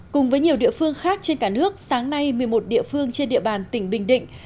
cùng với nhiều địa phương khác trên cả nước sáng nay một mươi một địa phương trên địa bàn tỉnh bình định